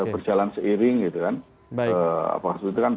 ke kurangnya dik tragen gitu kan